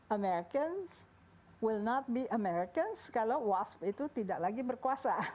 americans wil not be americans kalau wash itu tidak lagi berkuasa